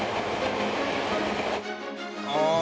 ああ。